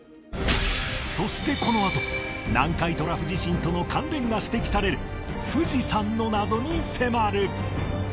そしてこのあと南海トラフ地震との関連が指摘される富士山の謎に迫る